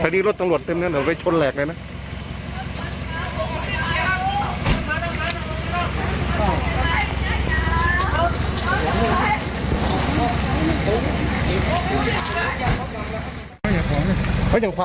แต่นี่รถตำรวจเต็มเงี้ยเดี๋ยวไปชนแหลกเลยน่ะ